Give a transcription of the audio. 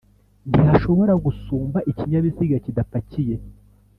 ntihashobora gusumba ikinyabiziga kidapakiye.